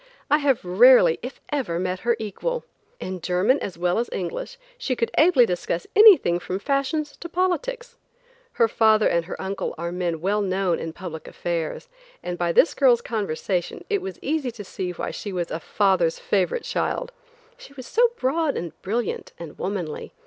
I have rarely, if ever, met her equal. In German as well as English, she could ably discuss anything from fashions to politics. Her father and her uncle are men well known in public affairs, and by this girl's conversation it was easy to see that she was a father's favorite child; she was so broad and brilliant and womanly.